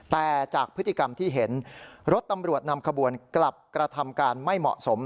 แต่จากพฤติกรรมที่เห็นรถตำรวจนำขบวนกลับกระทำการไม่เหมาะสม